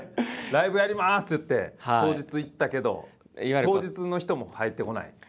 「ライブやります」って言って当日行ったけど当日の人も入ってこない？